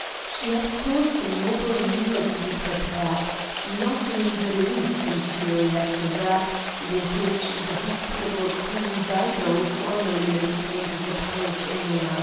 She had caused a noble meal to be prepared, not in the least inferior to that with which the hospitable Queen Dido formerly entertained the pious Eneas.